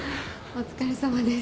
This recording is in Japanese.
お疲れさまです。